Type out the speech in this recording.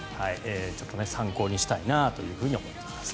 ちょっと参考にしたいなというふうに思っています。